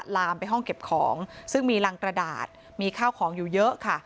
ลามไปห้องเก็บของซึ่งมีรังกระดาษมีข้าวของอยู่เยอะค่ะ